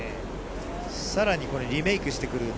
さらに、このリメークしてくる波。